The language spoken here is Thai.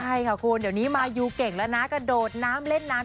ใช่ค่ะคุณเดี๋ยวนี้มายูเก่งแล้วนะกระโดดน้ำเล่นน้ำ